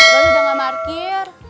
roy udah nggak parkir